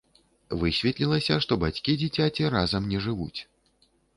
Высветлілася, што бацькі дзіцяці разам не жывуць.